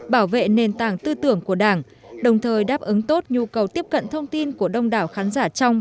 bảo vệ nền tảng tư tưởng của đảng đồng thời đáp ứng tốt nhu cầu tiếp cận thông tin của đông đảo khán giả trong